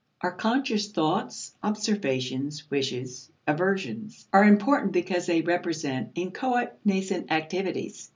Our conscious thoughts, observations, wishes, aversions are important, because they represent inchoate, nascent activities.